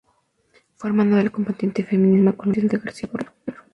Fue hermano de la combatiente feminista colombiana Clotilde García Borrero.